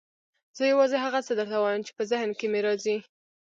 زه یوازې هغه څه درته وایم چې په ذهن کې مې راځي.